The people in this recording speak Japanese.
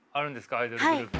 アイドルグループの。